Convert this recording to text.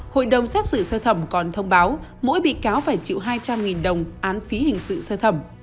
hội đồng xét xử sơ thẩm còn thông báo mỗi bị cáo phải chịu hai trăm linh đồng án phí hình sự sơ thẩm